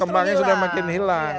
kembangnya sudah makin hilang